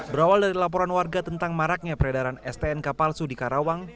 berawal dari laporan warga tentang maraknya peredaran stnk palsu di karawang